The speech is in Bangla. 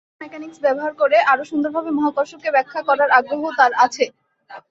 কোয়ান্টাম মেকানিকস ব্যবহার করে আরও সুন্দরভাবে মহাকর্ষকে ব্যাখ্যা করার আগ্রহও তাঁর আছে।